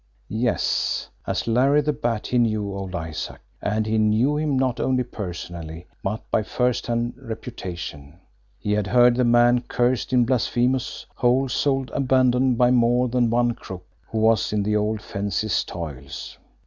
Yes; as Larry the Bat he knew old Isaac, and he knew him not only personally but by firsthand reputation he had heard the man cursed in blasphemous, whole souled abandon by more than one crook who was in the old fence's toils.